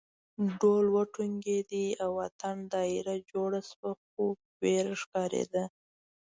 ډول وډنګېد او اتڼ دایره جوړه شوه خو وېره ښکارېده.